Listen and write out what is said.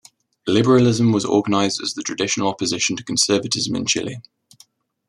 Liberalism was organized as the traditional opposition to conservatism in Chile.